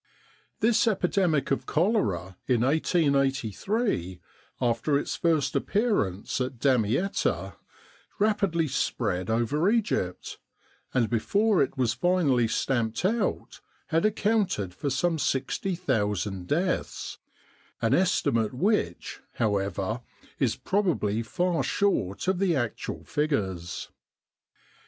This epidemic of cholera in 1883, after its first appearance at Damietta, rapidly spread over Egypt, and before it was finally stamped out had accounted for some 60,000 deaths, an estimate which, however, is probably far short of the actual figures.